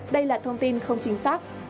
đây là thông tin không chính xác